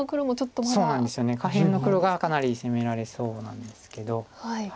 下辺の黒がかなり攻められそうなんですけど。